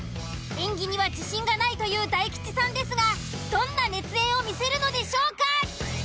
演技には自信がないという大吉さんですがどんな熱演を見せるのでしょうか。